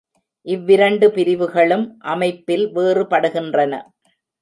இவ்விரண்டு பிரிவுகளும் அமைப்பில் வேறுபடுகின்றன.